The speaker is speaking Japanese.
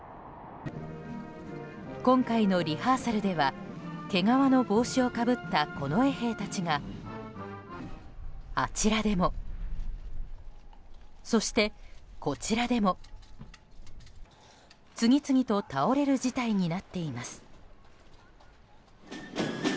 今回のリハーサルでは毛皮の帽子をかぶった近衛兵たちがあちらでも、そしてこちらでも次々と倒れる事態になっています。